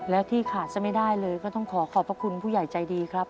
แล้วที่ขาดซะไม่ได้เลยก็ต้องขอขอบพระคุณผู้ใหญ่ใจดีครับ